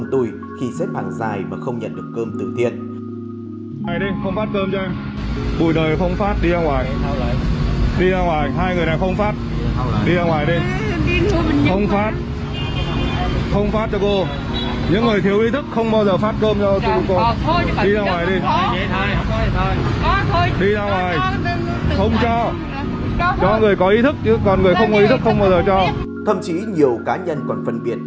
thậm chí nhiều cá nhân còn phân biệt